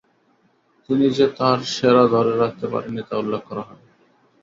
তিনি যে তার সেরা ধরে রাখতে পারেননি তা উল্লেখ করা হয়।